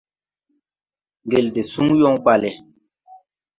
Ŋgel de suŋ yɔŋ bale.